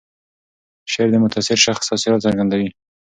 شعر د متاثر شخص تاثیرات څرګندوي.